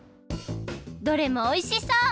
どれもおいしそう！